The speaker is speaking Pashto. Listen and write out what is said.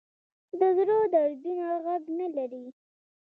د زړه دردونه غږ نه لري